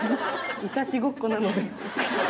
いたちごっこなので。